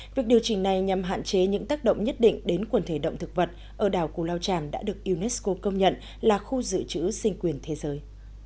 việc điều chỉnh này nhằm hạn chế những tác động nhất định đến quần thể động thực vật ở đảo cù lao tràm đã được unesco công nhận là khu dự trữ sinh quyền thế giới